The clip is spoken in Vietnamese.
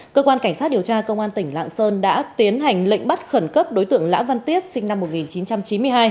cơ quan cảnh sát điều tra công an tỉnh lạng sơn đã tiến hành lệnh bắt khẩn cấp đối tượng lã văn tiết sinh năm một nghìn chín trăm chín mươi hai